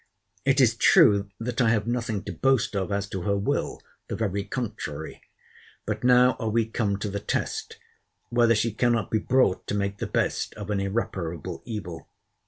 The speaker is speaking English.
—It is true, that I have nothing to boast of as to her will. The very contrary. But now are we come to the test, whether she cannot be brought to make the best of an irreparable evil.